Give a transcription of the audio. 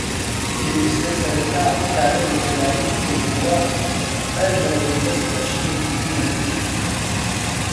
پێویستە سەرەتا ئەم کارە یەکلایی بکەینەوە بەر لەوەی دەست بە شتێکی نوێ بکەین.